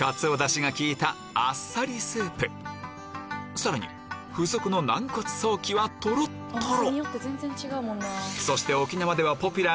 さらに付属の軟骨ソーキはとろっとろ！